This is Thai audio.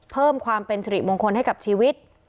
เพิ่มความเป็นสิริมงคลให้กับชีวิต